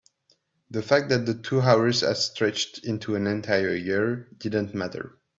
the fact that the two hours had stretched into an entire year didn't matter.